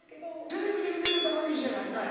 テレビで見てる高岸やないかい。